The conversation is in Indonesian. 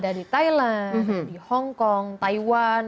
ada di thailand di hongkong taiwan